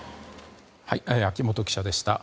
秋本記者でした。